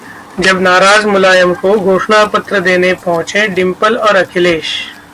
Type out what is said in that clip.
...जब नाराज मुलायम को घोषणा पत्र देने पहुंचे डिंपल और अखिलेश